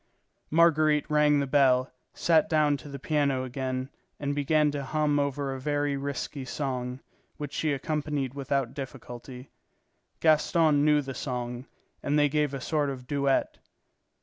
Marguerite rang the bell, sat down to the piano again, and began to hum over a very risky song, which she accompanied without difficulty. Gaston knew the song, and they gave a sort of duet.